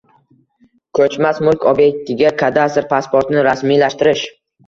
Koʼchmas mulk obektiga kadastr pasportini rasmiylashtirish